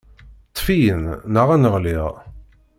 Ṭṭef-iyi-n, neɣ ad n-ɣliɣ.